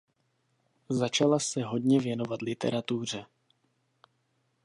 Začala se hodně věnovat literatuře.